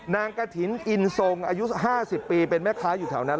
กระถิ่นอินทรงอายุ๕๐ปีเป็นแม่ค้าอยู่แถวนั้น